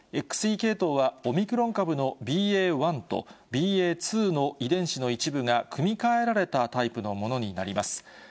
ＸＥ系統は、オミクロン株のＢＡ．１とＢＡ．２の遺伝子の一部が組み換えられたタイプのものになります。